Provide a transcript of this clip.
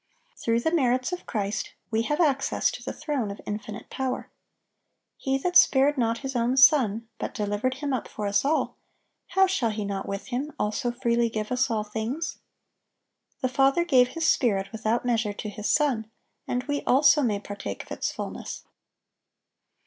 Through the merits of Christ, we have access to the throne of Infinite Power. "He that spared not His own Son, but delivered Him up for us all, how shall He not with Him also freely give us all things?"(824) The Father gave His Spirit without measure to His Son, and we also may partake of its fulness.